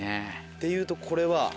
っていうとこれは。